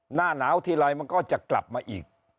หน้าหนาวทีไรมันก็จะกลับมาอีก